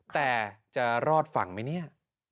แต่จะรอดฝั่งไหมเนี่ย